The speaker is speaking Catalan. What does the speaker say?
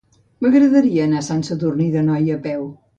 M'agradaria anar a Sant Sadurní d'Anoia a peu.